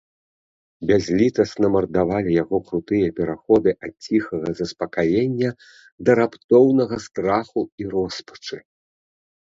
Бязлітасна мардавалі яго крутыя пераходы ад ціхага заспакаення да раптоўнага страху і роспачы.